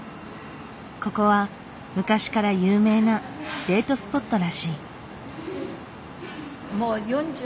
ここは昔から有名なデートスポットらしい。